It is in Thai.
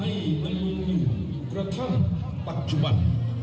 สวัสดีครับทุกคน